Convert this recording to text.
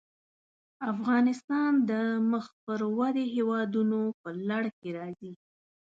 افغانستان د مخ پر ودې هېوادونو په لړ کې راځي.